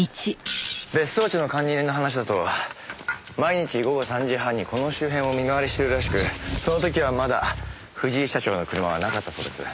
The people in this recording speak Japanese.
別荘地の管理人の話だと毎日午後３時半にこの周辺を見回りしてるらしくその時はまだ藤井社長の車はなかったそうです。